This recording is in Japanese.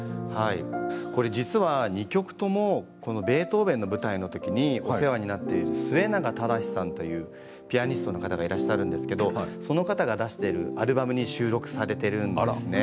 実は２曲ともベートーベンの舞台のときにお世話になっている末永匡さんというピアニストの方がいらっしゃるんですけどその方が出しているアルバムに収録されているんですね。